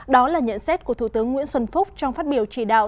đó là nhận xét của thủ tướng nguyễn xuân phúc trong phát biểu chỉ đạo